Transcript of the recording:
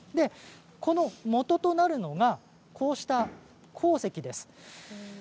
このもととなるのが鉱石です。